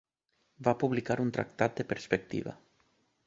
Va publicar un tractat de perspectiva.